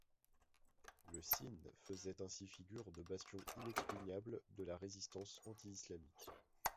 Le Sine faisait ainsi figure de bastion inexpugnable de la résistance anti-islamique.